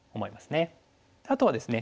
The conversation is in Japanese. あとはですね